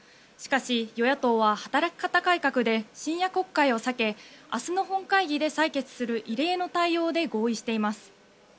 しかし、与野党は働き方改革で深夜国会を避け明日の本会議で採決する異例の対応で合意しています。